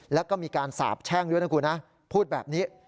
แล้วก็มีการสาบแช่งด้วยนะคุณนะพูดแบบนี้